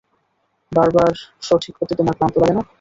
বারবার সঠিক হতে তোমার ক্লান্ত লাগে না?